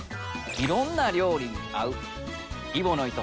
いろんな料理に合う揖保乃糸